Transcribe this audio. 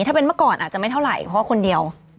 ถ้าเป็นเมื่อก่อนอาจจะไม่เท่าไหร่เพราะว่าคนเดียว